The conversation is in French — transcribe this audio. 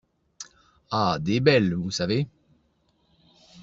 Ah des belles, vous savez!